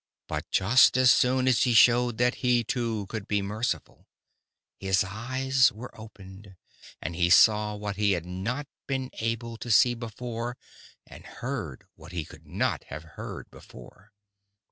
"But just as soon as he showed that he, too, could be merciful, his eyes were opened, and he saw what he had not been able to see before and heard what he could not have heard before.